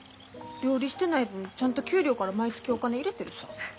料理してない分ちゃんと給料から毎月お金入れてるさぁ。